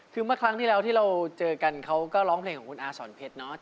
คือเมื่อครั้งที่แล้วที่เราเจอกันเขาก็ร้องเพลงของคุณอาสอนเพชรเนอะ